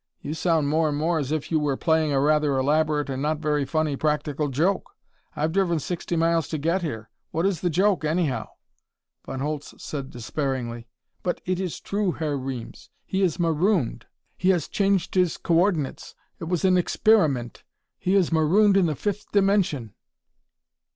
You sound more and more as if you were playing a rather elaborate and not very funny practical joke. I've driven sixty miles to get here. What is the joke, anyhow?" Von Holtz said despairingly: "But it is true, Herr Reames! He is marooned. He has changed his coordinates. It was an experiment. He is marooned in the fifth dimension!"